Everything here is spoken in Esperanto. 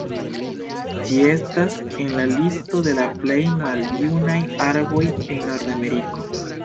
Ĝi estas en la listo de la plej maljunaj arboj en Nordameriko.